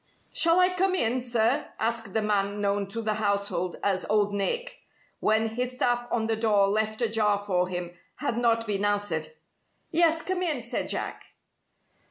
"Shall I come in, sir?" asked the man known to the household as "Old Nick," when his tap on the door left ajar for him had not been answered. "Yes, come in," said Jack.